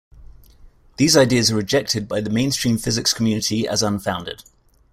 These ideas are rejected by the mainstream physics community as unfounded.